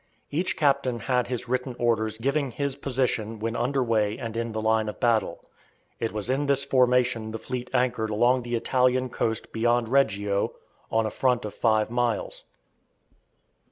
Each captain had his written orders giving his position when under way and in the line of battle. It was in this formation the fleet anchored along the Italian coast beyond Reggio, on a front of five miles.